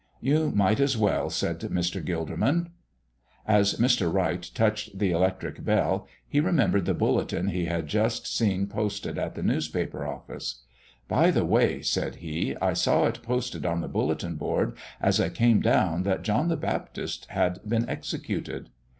"You might as well," said Mr. Gilderman. As Mr. Wright touched the electric bell he remembered the bulletin he had just seen posted at the newspaper office. "By the way," said he, "I saw it posted on the bulletin board as I came down that John the Baptist had been executed."